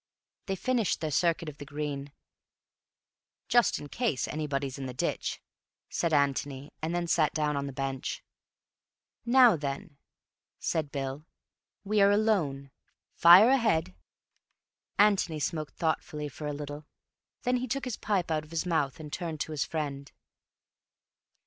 They finished their circuit of the green—"Just in case anybody's in the ditch," said Antony—and then sat down on the bench. "Now then," said Bill, "We are alone. Fire ahead." Antony smoked thoughtfully for a little. Then he took his pipe out of his mouth and turned to his friend.